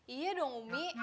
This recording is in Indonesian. iya dong umi